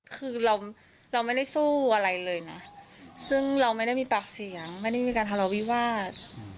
คือเราเราไม่ได้สู้อะไรเลยนะซึ่งเราไม่ได้มีปากเสียงไม่ได้มีการทะเลาวิวาส